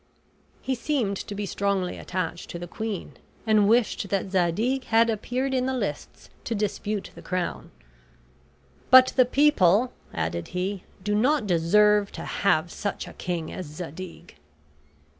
He seemed to be strongly attached to the queen, and wished that Zadig had appeared in the lists to dispute the crown. "But the people," added he, "do not deserve to have such a king as Zadig."